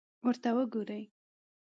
ورته وګورئ!